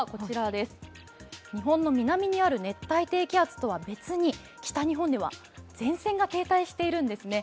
日本の南にある熱帯低気圧とは別に北日本には前線が停滞しているんですね。